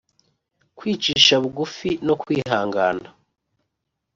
Kwicisha bugufi no kwihana